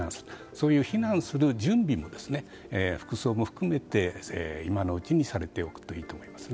そういう避難する準備も服装も含めて、今のうちにされておくといいと思いますね。